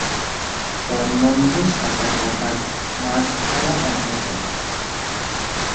তন্মধ্যে সাঁতার কাটা, মাছ ধরা অন্যতম।